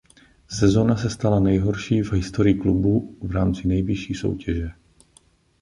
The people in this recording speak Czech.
Sezóna se stala nejhorší v historii klubu v rámci nejvyšší soutěže.